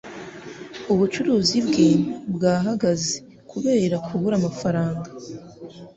Ubucuruzi bwe bwahagaze kubera kubura amafaranga.